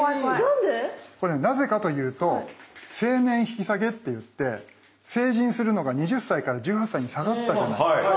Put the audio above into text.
これなぜかというと成年引き下げっていって成人するのが２０歳から１８歳に下がったじゃないですか。